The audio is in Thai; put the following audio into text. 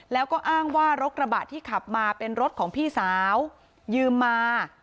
แล้วก็อ้างว่ารถกระบะที่ขับมาเป็นรถของพี่สาวยืมมา